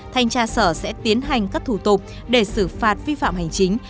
thanh tra sở sẽ tiến hành các thủ tục để xử phạt vi phạm hành chính